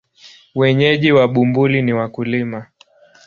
Wenyeji wa Bumbuli ni wakulima.